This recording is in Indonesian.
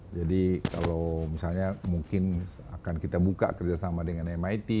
kalau misalnya mungkin akan kita buka kerjasama dengan mit